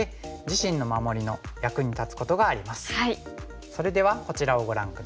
それではこちらをご覧下さい。